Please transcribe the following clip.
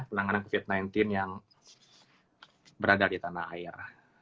penanganan covid sembilan belas yang berada di tanah air